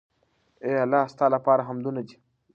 اې الله ! ستا لپاره حمدونه دي